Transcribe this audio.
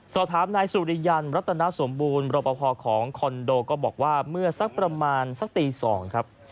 สอบถามนายสุริยันรัตนสมบูรณ์รปภของคอนโดก็บอกว่าเมื่อสักประมาณสักตี๒ครับ